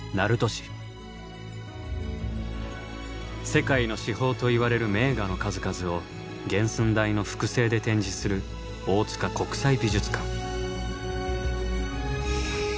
世界の至宝といわれる名画の数々を原寸大の複製で展示する大塚国際美術館。